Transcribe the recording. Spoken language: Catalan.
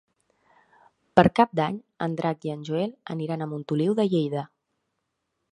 Per Cap d'Any en Drac i en Joel aniran a Montoliu de Lleida.